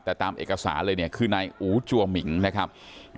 แต่ตามเอกสารเลยเนี่ยคือนายอู๋จัวหมิงนะครับ